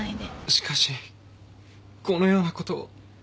しかしこのようなことを。